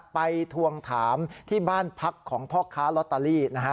ทวงถามที่บ้านพักของพ่อค้าลอตเตอรี่นะฮะ